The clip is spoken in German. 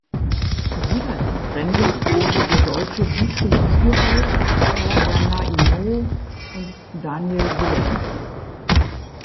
Sieger des Rennen wurde der Deutsche Dietrich Thurau vor Bernard Hinault und Daniel Willems.